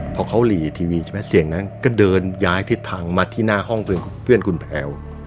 พอเค้าหลีทีวีสิ่งนั้นก็เดินย้ายทิศทางมาที่หน้าห้องพี่เพื่อนคุณแพว